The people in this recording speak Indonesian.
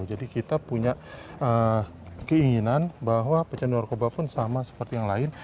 jadi kita punya keinginan bahwa pecandu narkoba pun sama seperti yang lain